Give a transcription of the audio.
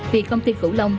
vì công ty khủ lông